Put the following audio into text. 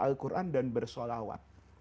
al quran dan bersholawat